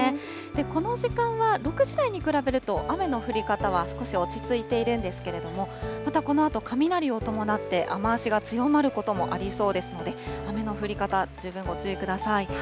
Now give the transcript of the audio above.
この時間は、６時台に比べると雨の降り方は少し落ち着いているんですけれども、またこのあと雷を伴って、雨足が強まることもありそうですので、雨の降り方、十分ご注意ください。